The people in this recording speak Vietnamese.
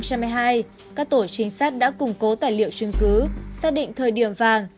các tổ chính xác đã củng cố tài liệu chứng cứ xác định thời điểm vàng